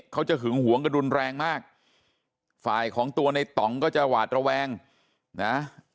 หึงหวงกระดุนแรงมากฝ่ายของตัวในต่องก็จะหวาดระแวงนะ